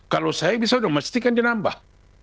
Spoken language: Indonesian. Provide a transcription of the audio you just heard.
kalau saya bisa udah mestikan dia nambah